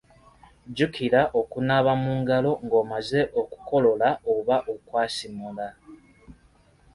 Jjukira okunaaba mu ngalo ng’omaze okukolola oba okwasimula.